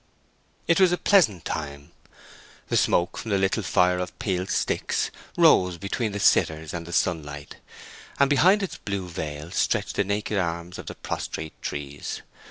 It was a pleasant time. The smoke from the little fire of peeled sticks rose between the sitters and the sunlight, and behind its blue veil stretched the naked arms of the prostrate trees.